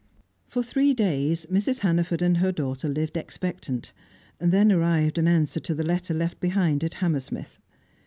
For three days, Mrs. Hannaford and her daughter lived expectant; then arrived in answer to the letter left behind at Hammersmith.